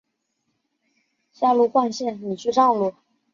当时的法律规定男人的泳装要由肚脐盖大腿膝盖处。